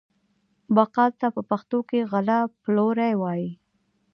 بقال ته په پښتو کې غله پلوری وايي.